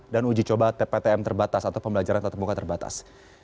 dan uji coba ptm terbatas atau pembelajaran tetap muka terbatas